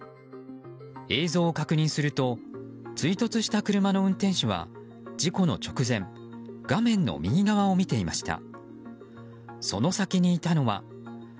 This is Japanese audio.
映像を確認すると追突した車の運転手は事故の直前画面の右側を見ていました。